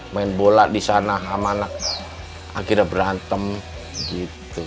main bola di sana sama anak akhirnya berantem gitu